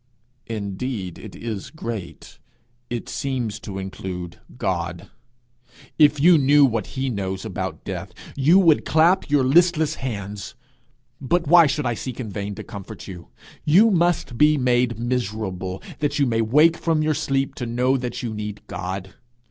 'Indeed it is great! it seems to include God! If you knew what he knows about death you would clap your listless hands. But why should I seek in vain to comfort you? You must be made miserable, that you may wake from your sleep to know that you need God.